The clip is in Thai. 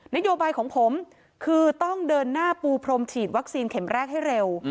นโยบายของผมคือต้องเดินหน้าปูพรมฉีดวัคซีนเข็มแรกให้เร็ว